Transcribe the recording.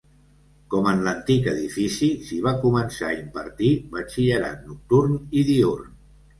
Com en l'antic edifici, s'hi va començar a impartir batxillerat nocturn i diürn.